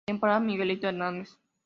Temporada "Miguelito" Hernández